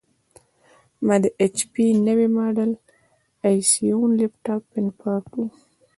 ما د ایچ پي نوي ماډل ائ سیون لېپټاپ فین پاک کړ.